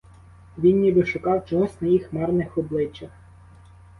Він ніби шукав чогось на їх марних обличчях.